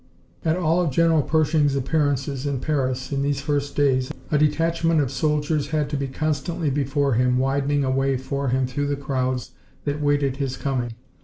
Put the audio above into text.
At all of General Pershing's appearances in Paris in these first days a detachment of soldiers had to be constantly before him, widening a way for him through the crowds that waited his coming.